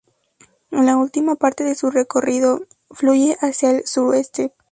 En la última parte de su recorrido, fluye hacia el suroeste.